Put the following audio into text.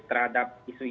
terhadap isu ini